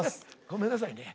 ごめんなさいね。